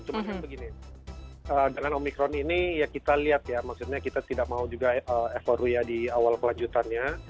cuma kan begini dengan omikron ini ya kita lihat ya maksudnya kita tidak mau juga evoru ya di awal kelanjutannya